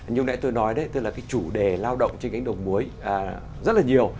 như hồi nãy tôi nói tức là chủ đề lao động trên cánh đồng muối rất là nhiều